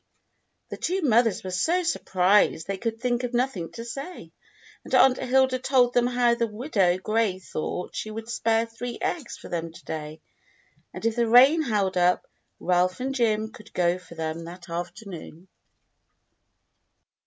The two mothers were so surprised they could think of nothing to say, and Aunt Hilda told them how the widow Gray thought she could spare three eggs for them to day, and if the rain held up Ralph and Jim could go for them that afternoon.